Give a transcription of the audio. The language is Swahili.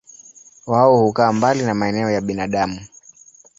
Wao hukaa mbali na maeneo ya binadamu.